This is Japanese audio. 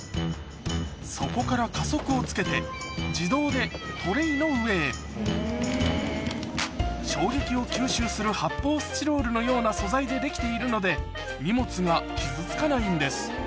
そこから加速をつけて自動でトレーの上へ衝撃を吸収する発泡スチロールのような素材でできているので荷物が傷つかないんです